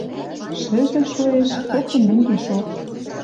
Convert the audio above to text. Шӹжӹ шоэш, коктын мӹнгешок